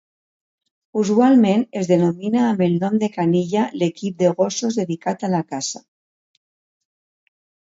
Usualment es denomina amb el nom de canilla l'equip de gossos dedicat a la caça.